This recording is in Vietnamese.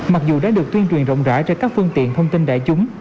mặc dù đã được tuyên truyền rộng rãi trên các phương tiện thông tin đại chúng